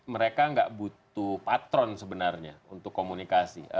mereka nggak butuh patron sebenarnya untuk komunikasi